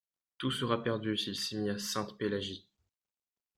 Tout sera perdu s'il est mis à Sainte-Pélagie.